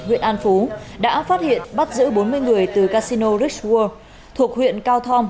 huyện an phú đã phát hiện bắt giữ bốn mươi người từ casino rich world thuộc huyện cao thom